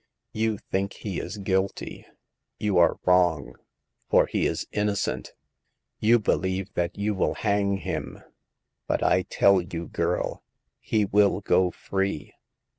You think he is guilty ; you are wrong, for he is innocent. You believe that you will hang him ; but I tell you, girl, he will go free.